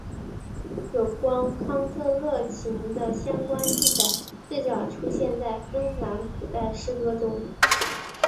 有关康特勒琴的相关记载最早出现在芬兰古代诗歌中。